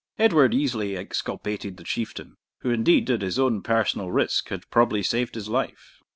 Edward easily exculpated the Chieftain, who, indeed, at his own personal risk, had probably saved his life.